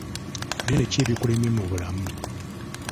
Binene ki ebikulemye mu bulamu?